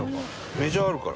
メジャーあるから。